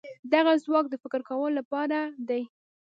دغه ځواک د فکر کولو لپاره دی.